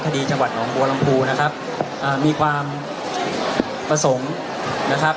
ทดีจังหวัดของโบราณภูมินะครับอ่ามีความประสงค์นะครับ